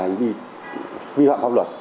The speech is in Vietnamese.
đây là những hành vi vi phạm pháp luật